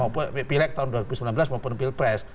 pileg tahun dua ribu sembilan belas maupun pilpres